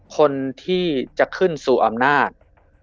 คนที่จะขึ้นสู่อำนาจ